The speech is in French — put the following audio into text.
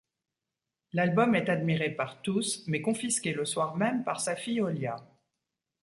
L’album est admiré par tous, mais confisqué le soir même par sa fille Olia.